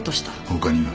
他には？